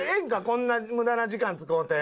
こんなに無駄な時間使うて。